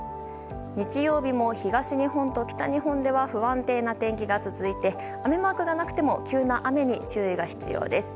日曜日も、東日本と北日本では不安定な天気が続いて雨マークがなくても急な雨に注意が必要です。